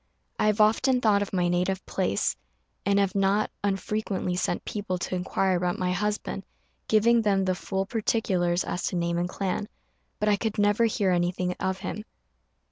I have often thought of my native place, and have not unfrequently sent people to inquire about my husband, giving them the full particulars as to name and clan; but I could never hear anything of him.